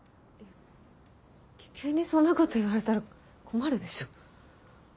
急にそんなこと言われたら困るでしょ。